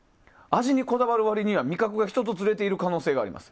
味にこだわる割には、味覚が人とずれている可能性があります。